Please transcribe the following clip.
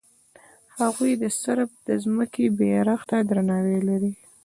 هغوی د صرب ځمکې او بیرغ ته درناوی لري.